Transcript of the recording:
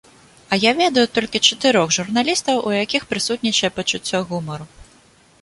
А я ведаю толькі чатырох журналістаў, у якіх прысутнічае пачуццё гумару.